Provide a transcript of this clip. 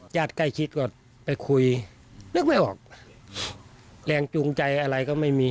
ญาติใกล้ชิดก็ไปคุยนึกไม่ออกแรงจูงใจอะไรก็ไม่มี